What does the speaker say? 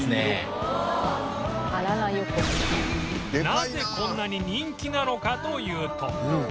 なぜこんなに人気なのかというと